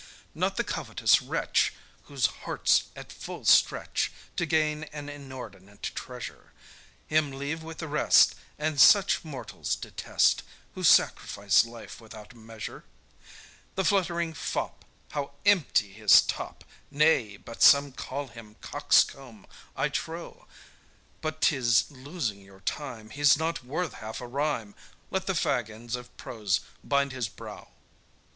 Not the covetous wretch Whose heart's at full stretch To gain an inordinate treasure; Him leave with the rest, And such mortals detest, Who sacrifice life without measure. The fluttering fop, How empty his top! Nay, but some call him coxcomb, I trow; But 'tis losing your time, He's not worth half a rhyme, Let the fag ends of prose bind his brow.